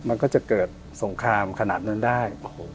มันก็จะเกิดสงครามขนาดนั้นได้